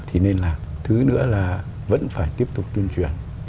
thì nên là thứ nữa là vẫn phải tiếp tục tuyên truyền